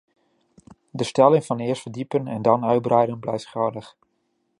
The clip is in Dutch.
De stelling van eerst verdiepen en dan uitbreiden, blijft geldig.